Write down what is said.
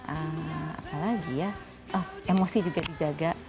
apalagi ya emosi juga dijaga